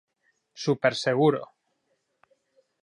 Superseguro.